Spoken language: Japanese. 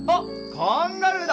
カンガルーだ！